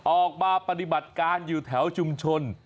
ออกมาปฏิบัติการอยู่แถวชุมชน